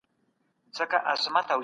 چوپتیا د ظلم ملاتړ کول دي.